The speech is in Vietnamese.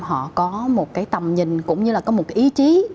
họ có một tầm nhìn cũng như là có một ý chí